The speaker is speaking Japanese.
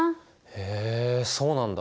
へえそうなんだ。